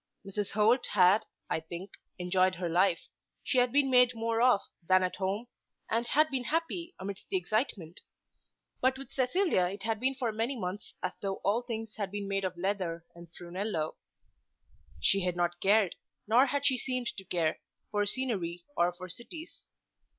Mrs. Holt had I think enjoyed her life. She had been made more of than at home, and had been happy amidst the excitement. But with Cecilia it had been for many months as though all things had been made of leather and prunello. She had not cared, or had not seemed to care, for scenery or for cities.